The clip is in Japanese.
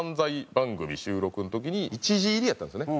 番組収録の時に１時入りやったんですよね。